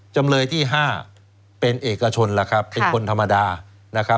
จำเลยที่๕เป็นเอกชนเป็นคนธรรมดา